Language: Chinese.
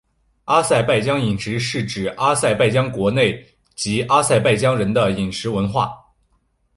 阿塞拜疆饮食是指阿塞拜疆国内及阿塞拜疆人的饮食文化。